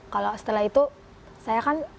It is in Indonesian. kalau setelah itu saya kan